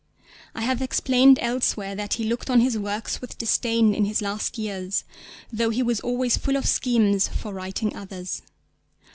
I have explained elsewhere that he looked on his works with disdain in his last years, though he was always full of schemes for writing others.